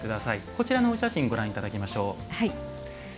こちらのお写真ご覧いただきましょう。